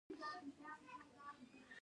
چې د تښتېدلو او ورکو سپکو